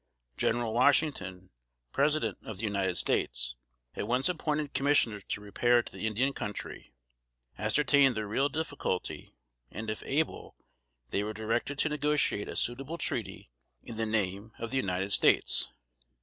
General Washington, President of the United States, at once appointed Commissioners to repair to the Indian country, ascertain the real difficulty, and if able, they were directed to negotiate a suitable treaty, in the name of the United States.